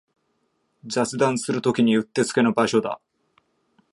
雑談するときにうってつけの場所だ